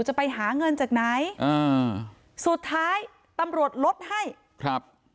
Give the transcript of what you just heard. จะไปหาเงินจากไหนอ่าสุดท้ายตำรวจลดให้ครับ